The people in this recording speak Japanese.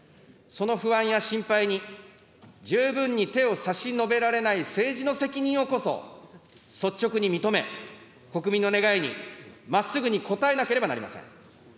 その不安や心配に十分に手を差し伸べられない政治の責任をこそ、率直に認め、国民の願いにまっすぐに応えなければなりません。